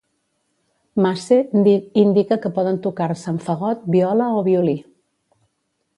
Masse indica que poden tocar-se amb fagot, viola o violí.